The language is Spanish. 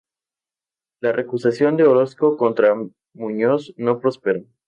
La recusación de Orozco contra Muñoz no prosperó.